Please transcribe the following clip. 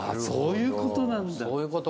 そういうことなんだ。